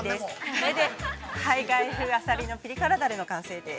◆これでハイガイ風あさりのピリ辛だれの完成です。